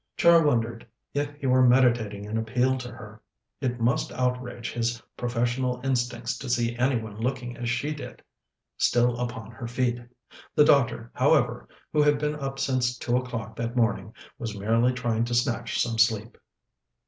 Char wondered if he were meditating an appeal to her. It must outrage his professional instincts to see any one looking as she did still upon her feet. The doctor, however, who had been up since two o'clock that morning, was merely trying to snatch some sleep.